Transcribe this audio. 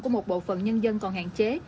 của một bộ phận nhân dân còn hạn chế